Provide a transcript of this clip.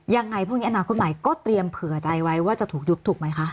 ยังไงพรุ่งนี้อนาคตใหม่ก็เตรียมเผื่อใจไว้ว่าจะถูกยุบถูกไหมคะ